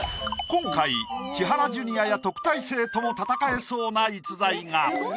今回千原ジュニアや特待生とも戦えそうな逸材が！